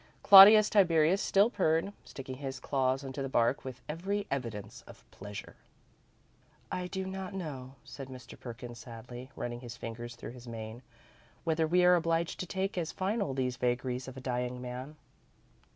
Claudius Tiberius still purred, sticking his claws into the bark with every evidence of pleasure. "I do not know," said Mr. Perkins, sadly, running his fingers through his mane, "whether we are obliged to take as final these vagaries of a dying man.